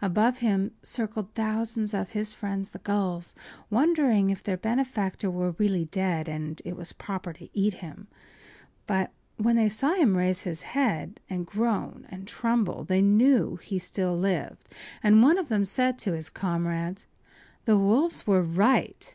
Above him circled thousands of his friends the gulls, wondering if their benefactor were really dead and it was proper to eat him. But when they saw him raise his head and groan and tremble they knew he still lived, and one of them said to his comrades: “The wolves were right.